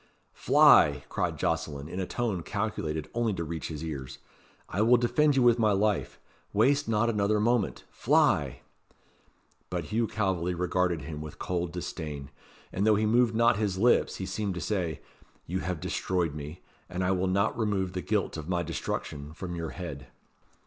"Fly!" cried Jocelyn, in a tone calculated only to reach his ears. "I will defend you with my life. Waste not another moment fly!" But Hugh Calveley regarded him with cold disdain, and though he moved not his lips, he seemed to say, "You have destroyed me; and I will not remove the guilt of my destruction from your head."